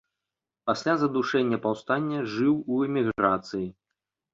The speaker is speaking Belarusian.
Пасля задушэння паўстання жыў у эміграцыі.